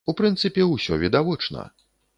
У прынцыпе, усё відавочна.